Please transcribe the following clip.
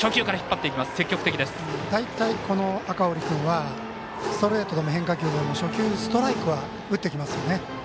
大体、この赤堀君はストレートでも変化球でも初球ストライクは打ってきます。